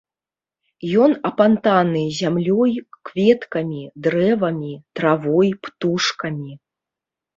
Ён апантаны зямлёй, кветкамі, дрэвамі, травой, птушкамі.